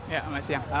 ya selamat siang